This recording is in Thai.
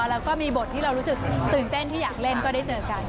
แล้วก็มีบทที่เรารู้สึกตื่นเต้นที่อยากเล่นก็ได้เจอกัน